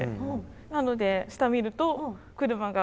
なので下見ると車が。